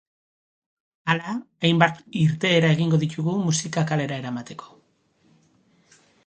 Hala, hainbat irteera egingo ditugu, musika kalera eramateko.